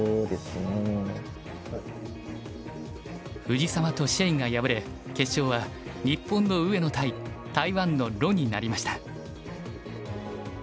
藤沢と謝が敗れ決勝は日本の上野対台湾の盧になりました。